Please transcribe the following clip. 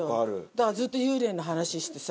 だからずっと幽霊の話してさ。